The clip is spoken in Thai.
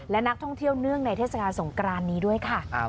และนักท่องเที่ยวเนื่องในเทศกาลสงกรานนี้ด้วยค่ะ